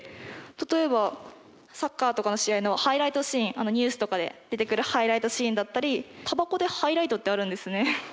例えばサッカーとかの試合のハイライトシーンニュースとかで出てくるハイライトシーンだったりタバコでハイライトってあるんですね。